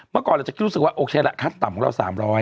เมื่อก่อนเราจะคิดรู้สึกว่าโอเคละขั้นต่ำของเรา๓๐๐